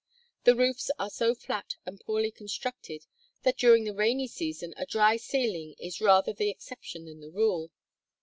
The roofs are so flat and poorly constructed that during the rainy season a dry ceiling is rather the exception than the rule.